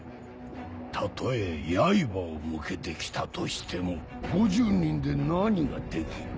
たとえ刃を向けて来たとしても５０人で何ができる。